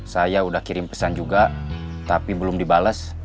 saya sudah kirim pesan juga tapi belum dibalas